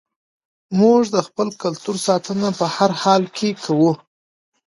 موږ د خپل کلتور ساتنه په هر حال کې کوو.